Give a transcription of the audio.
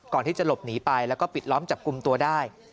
ก่อนที่จะหลบหนีไปแล้วก็ปิดล้อมจับกลุ่มตัวได้